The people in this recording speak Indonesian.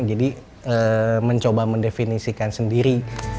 jadi mencoba mendefinisikan sendiri